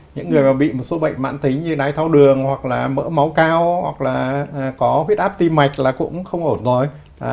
những người mà bị một số bệnh mãn tính như đái tháo đường hoặc là mỡ máu cao hoặc là có huyết áp tim mạch là cũng không ổn nói